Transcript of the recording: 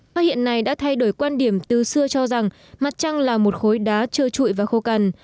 phát hiện này đã thay đổi quan điểm từ xưa cho rằng mặt trăng là một khối đá trơ trụi và khô cằn